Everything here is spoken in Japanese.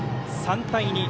３対２。